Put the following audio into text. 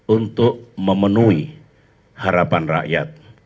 untuk memenuhi harapan rakyat